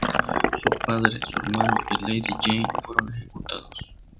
Su padre, su hermano y Lady Jane fueron ejecutados.